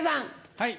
はい。